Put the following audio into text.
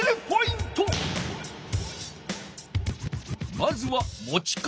まずはもち方。